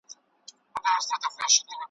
په لار کي به دي پلونه د رقیب خامخا نه وي `